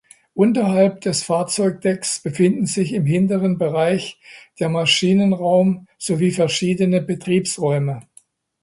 Unterhalb des Fahrzeugdecks befinden sich im hinteren Bereich der Maschinenraum sowie verschiedene Betriebsräume.